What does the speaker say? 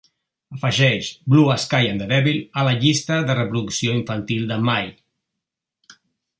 Afegeix "Blue Sky and the Devil" a la llista de reproducció infantil de Mai.